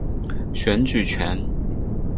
选举权。